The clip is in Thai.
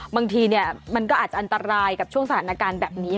บางทีมันก็อาจจะอันตรายกับช่วงสถานการณ์แบบนี้